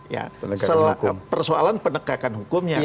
ya persoalan pendekatan hukumnya